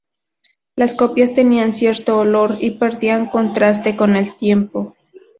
Las copias tenían cierto olor y perdían contraste con el tiempo.